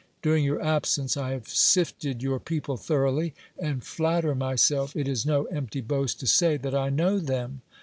During your absence I have sifted your people thoroughly, and fatter myself it is no empty boast to say that I know them.